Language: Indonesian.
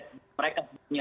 kalau ditangkap mungkin di